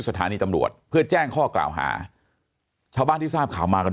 สถานีตำรวจเพื่อแจ้งข้อกล่าวหาชาวบ้านที่ทราบข่าวมากัน